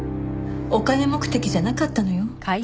お金目的じゃなかったのよ。